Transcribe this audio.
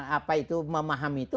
apa itu memahami itu